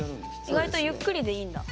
意外とゆっくりでいいんだ。